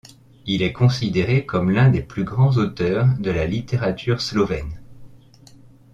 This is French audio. Il est considéré comme l'un des plus grands auteurs de la littérature slovène.